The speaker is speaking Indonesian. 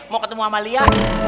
mau ketemu amalia